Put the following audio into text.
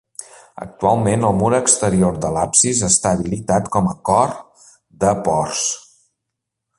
Actualment el mur exterior de l'absis està habilitat com a cort de porcs.